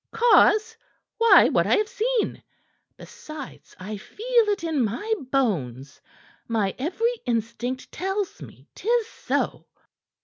"Cause? Why, what I have seen. Besides, I feel it in my bones. My every instinct tells me 'tis so."